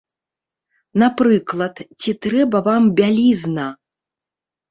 Напрыклад, ці трэба вам бялізна!